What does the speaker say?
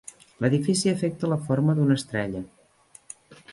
L'edifici afecta la forma d'una estrella.